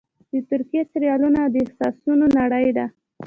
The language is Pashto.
د ترکیې سریالونه د احساسونو نړۍ ده.